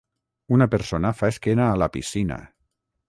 Una persona fa esquena a la piscina.